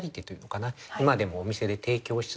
今でもお店で提供し続けている料理。